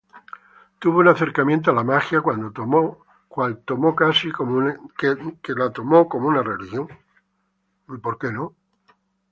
Tuvo un acercamiento a la magia, cual tomó casi como una religión.